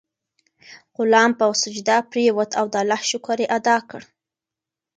غلام په سجده پریووت او د الله شکر یې ادا کړ.